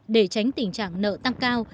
để tránh tình trạng nợ tăng cao